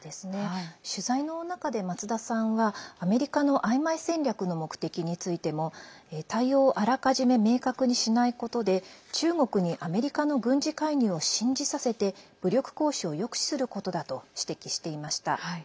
取材の中で松田さんはアメリカのあいまい戦略の目的についても対応をあらかじめ明確にしないことで中国にアメリカの軍事介入を信じさせて武力行使を抑止することだと指摘していました。